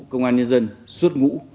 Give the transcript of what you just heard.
công an nhân dân suốt ngũ